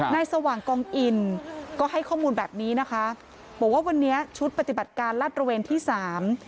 สว่างกองอินก็ให้ข้อมูลแบบนี้นะคะบอกว่าวันนี้ชุดปฏิบัติการลาดระเวนที่สาม